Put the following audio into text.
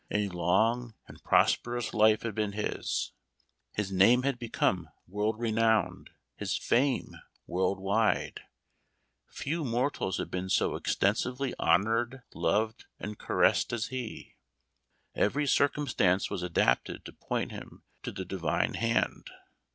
A long and prosperous life had been his. His name had become world re nowned, his fame world wide. Few mortals had been so extensively honored, loved, and caressed as he. Every circumstance was adapted to point him to the divine hand.